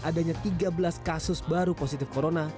adanya tiga belas kasus baru positif corona